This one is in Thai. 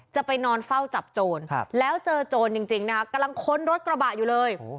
จะไปนอนเฝ้าจับโจรแล้วเจอโจรจริงนะคะกำลังค้นรถกระบะอยู่เลย